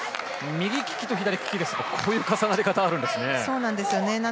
右利きと左利きだとこういう重なり方なんですね。